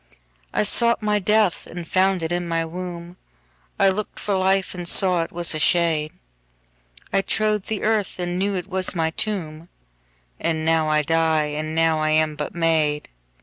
13I sought my death and found it in my womb,14I lookt for life and saw it was a shade,15I trode the earth and knew it was my tomb,16And now I die, and now I am but made.